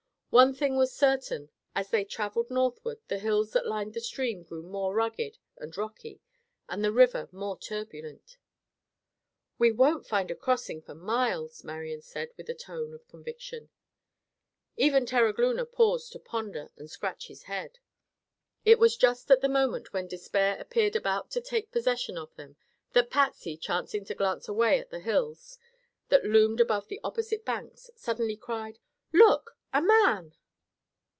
One thing was certain, as they traveled northward the hills that lined the stream grew more rugged and rocky, and the river more turbulent. "We won't find a crossing for miles," Marian said, with a tone of conviction. Even Terogloona paused to ponder and scratch his head. It was just at the moment when despair appeared about to take possession of them that Patsy, chancing to glance away at the hills that loomed above the opposite banks, suddenly cried: "Look! A man!"